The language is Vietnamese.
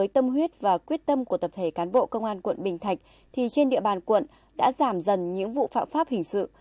trên tâm của tập thể cán bộ công an quận bình thạch thì trên địa bàn quận đã giảm dần những vụ phạm pháp hình sự